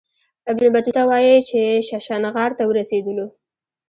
ابن بطوطه وايي چې ششنغار ته ورسېدلو.